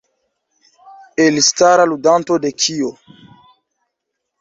Elstara ludanto de Kio?